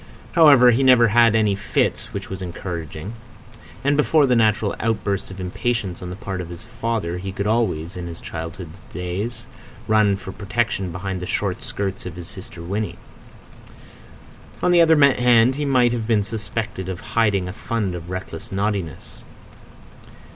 However, he never had any fits (which was encouraging); and before the natural outbursts of impatience on the part of his father he could always, in his childhood's days, run for protection behind the short skirts of his sister Winnie. On the other hand, he might have been suspected of hiding a fund of reckless naughtiness.